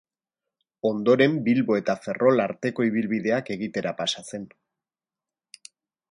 Ondoren, Bilbo eta Ferrol arteko ibilbideak egitera pasa zen.